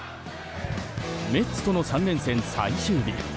メッツとの３連戦最終日。